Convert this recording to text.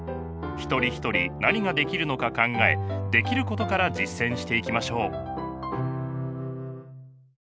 一人ひとり何ができるのか考えできることから実践していきましょう。